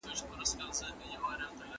بې له روغتیا ژوند خوند نه لري.